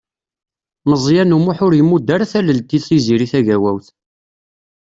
Meẓyan U Muḥ ur imudd ara tallelt i Tiziri Tagawawt.